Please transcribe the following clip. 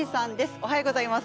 おはようございます。